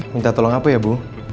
minta tolong apa ya bu